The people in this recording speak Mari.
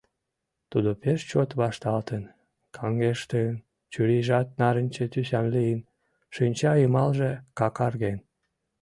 Тудо пеш чот вашталтын, каҥгештын, чурийжат нарынче тӱсан лийын, шинча йымалже какарген.